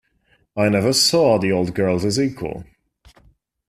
I never saw the old girl's equal.